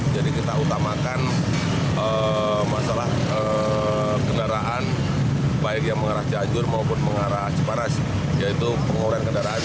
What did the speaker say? jadi kita utamakan masalah kendaraan baik yang mengarah jajur maupun mengarah ceparas yaitu pengurangan kendaraan